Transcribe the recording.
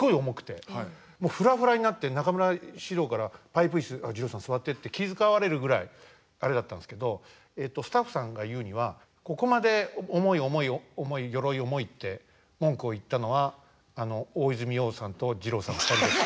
ふらふらになって中村獅童から「パイプ椅子二朗さん座って」って気遣われるぐらいあれだったんですけどスタッフさんが言うにはここまで「重い重い重い鎧重い」って文句を言ったのは大泉洋さんと二朗さんの２人です。